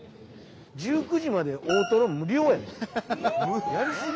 １９時まで大トロ無料やで。